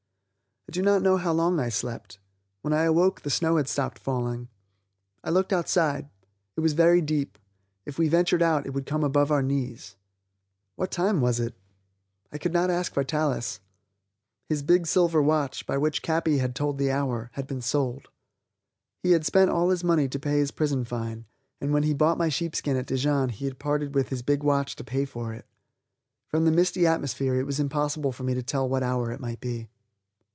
I do not know how long I slept; when I awoke the snow had stopped falling. I looked outside. It was very deep; if we ventured out it would come above our knees. What time was it? I could not ask Vitalis. His big silver watch, by which Capi had told the hour, had been sold. He had spent all his money to pay his prison fine, and when he bought my sheepskin at Dijon he had parted with his big watch to pay for it. From the misty atmosphere it was impossible for me to tell what hour it might be.